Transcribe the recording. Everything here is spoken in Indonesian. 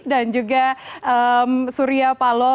dan juga suria pallo